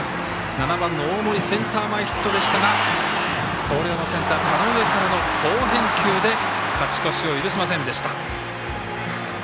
７番の大森センター前ヒットでしたが広陵のセンター田上からの好返球で勝ち越しを許しませんでした。